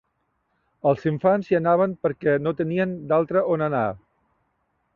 Els infants hi anaven, perquè no tenien d’altre on anar